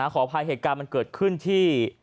ขออภัยเหตุการณ์มันเกิดขึ้นที่